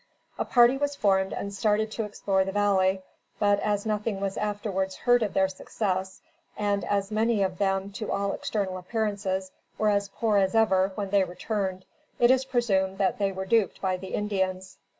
A party was formed and started to explore the valley, but, as nothing was afterwards heard of their success, and, as many of them, to all external appearances, were as poor as ever when they returned, it is presumed that they were duped by the Indians.